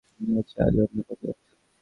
মনে হচ্ছে আজ অন্য পথে যাচ্ছো?